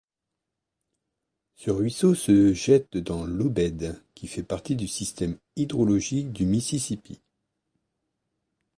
Ce ruisseau se jette dans l'Obed, qui fait partie du système hydrologique du Mississippi.